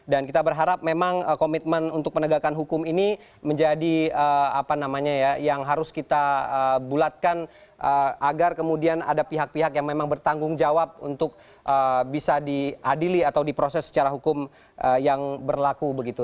dan kita berharap memang komitmen untuk penegakan hukum ini menjadi apa namanya ya yang harus kita bulatkan agar kemudian ada pihak pihak yang memang bertanggung jawab untuk bisa diadili atau diproses secara hukum yang berlaku begitu